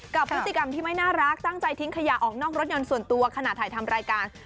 กับพฤติกรรมที่ไม่น่ารักตั้งใจทิ้งขยะออกนอกรถยนต์ส่วนตัวขณะถ่ายทำรายการ